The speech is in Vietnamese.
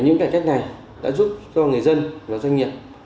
những cải cách này đã giúp cho người dân và doanh nghiệp